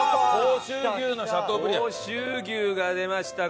甲州牛が出ました